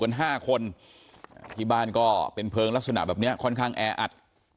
ห้าคนที่บ้านก็เป็นเพลิงลักษณะแบบเนี้ยค่อนข้างแออัด